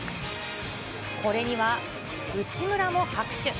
これには内村も拍手。